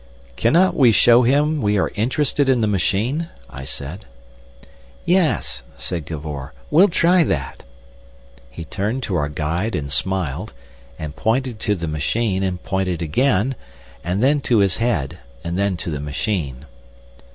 "Cannot we show him we are interested in the machine?" I said. "Yes," said Cavor. "We'll try that." He turned to our guide and smiled, and pointed to the machine, and pointed again, and then to his head, and then to the machine.